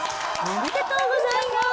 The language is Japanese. おめでとうございます。